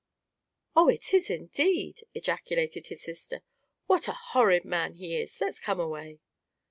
"Oh! it is, indeed!" ejaculated his sister. "What a horrid man he is! Let's come away."